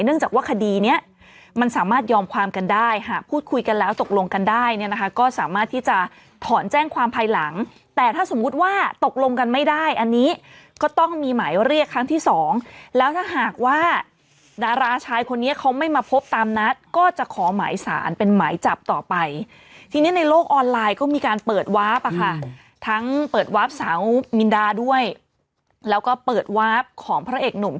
เนื่องจากว่าคดีเนี้ยมันสามารถยอมความกันได้ค่ะพูดคุยกันแล้วตกลงกันได้เนี้ยนะคะก็สามารถที่จะถอนแจ้งความภายหลังแต่ถ้าสมมุติว่าตกลงกันไม่ได้อันนี้ก็ต้องมีหมายว่าเรียกครั้งที่สองแล้วถ้าหากว่าดาราชายคนนี้เขาไม่มาพบตามนัดก็จะขอหมายสารเป็นหมายจับต่อไปทีนี้ในโลกออนไลน์ก็มีการเปิดวาร์